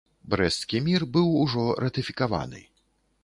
Брэсцкі мір быў ужо ратыфікаваны.